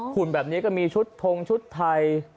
หุ่นแบบนี้ก็มีชุดทงชุดไทย